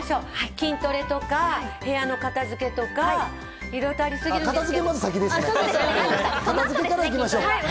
筋トレとか部屋の片付けとか、いろいろとありすぎるんですね。